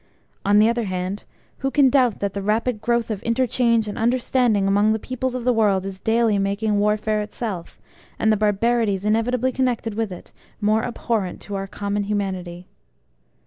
On the other hand who can doubt that the rapid growth of interchange and understanding among the peoples of the world is daily making Warfare itself, and the barbarities inevitably connected with it, more abhorrent to our common humanity?